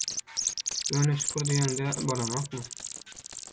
-Ýöne şükür diýeňde bolanokmy?